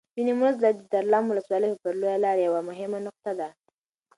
د نیمروز ولایت دلارام ولسوالي پر لویه لاره یوه مهمه نقطه ده.